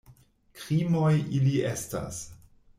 Krimoj ili estas!